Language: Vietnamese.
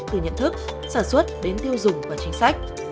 từ nhận thức sản xuất đến tiêu dùng và chính sách